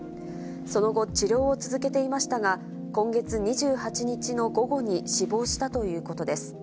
その後、治療を続けていましたが、今月２８日の午後に死亡したということです。